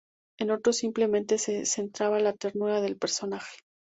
En otros simplemente se centraba la ternura del personaje.